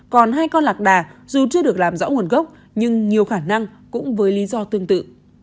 còn hai con lạc đà dù chưa được làm rõ nguồn gốc nhưng nhiều khả năng cũng với lý do tương tự